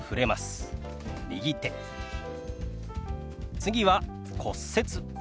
次は「骨折」。